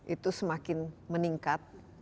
itu semakin meningkat